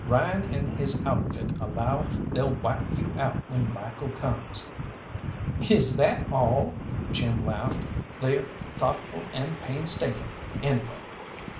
Ryan and his outfit allow they'll wipe you out when Michael comes." "Is that all?" Jim laughed. "They're thoughtful and painstaking, anyway.